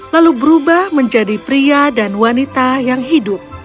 lalu berubah menjadi pria dan wanita yang hidup